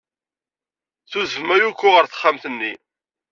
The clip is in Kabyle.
Tudef Mayuko ɣer texxamt-nni.